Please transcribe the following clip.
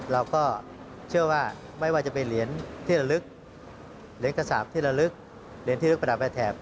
เราก็เชื่อว่าไม่ว่าจะเป็นเหรียญที่ระลึกเหรียญกระสาปที่ระลึกเหรียญที่ลึกประดับไปแถบ